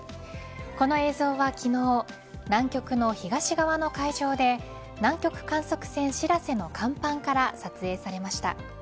この映像は昨日南極の東側の海上で南極観測船しらせの甲板から撮影されました。